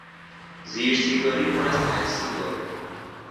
زیر سیگاری پر از ته سیگار بود.